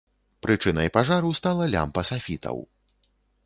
Прычынай пажару стала лямпа сафітаў.